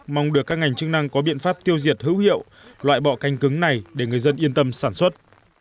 mong được các ngành chức năng có biện pháp tiêu diệt hữu hiệu loại bọ cánh cứng này để người dân yên tâm sản xuất